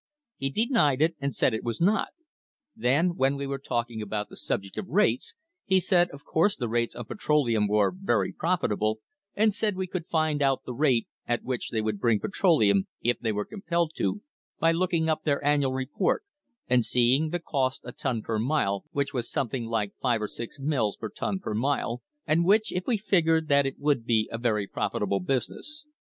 He denied it, and said it was not. Then when we were talking about the subject of rates, he said of course the rates on petroleum were very profitable, and said we could find out the rate at which they could bring petroleum, if they were compelled to, by looking up their annual report, and seeing the cost a ton per mile, which was something like five or six mills per ton per mile, and which if we figured that it would be a very profit able business.